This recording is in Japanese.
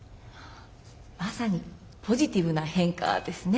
まさに「ポジティブな変化」ですね。